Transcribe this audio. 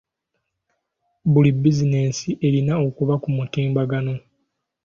Buli bizinensi erina okuba ku mutimbagano.